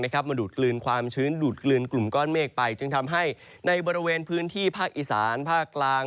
มาดูดกลืนความชื้นดูดกลืนกลุ่มก้อนเมฆไปจึงทำให้ในบริเวณพื้นที่ภาคอีสานภาคกลาง